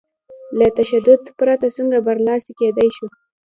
له تشدد پرته څنګه برلاسي کېدای شو؟